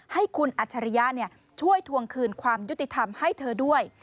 ให้คุณอัจฉริยะช่วยทวงคืนความยุติธรรมให้เธอด้วย